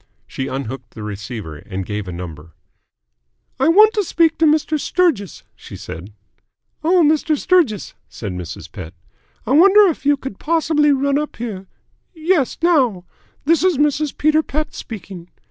She unhooked the receiver, and gave a number. "I want to speak to Mr. Sturgis," she said. "Oh, Mr. Sturgis," said Mrs. Pett. "I wonder if you could possibly run up here yes, now. This is Mrs. Peter Pett speaking.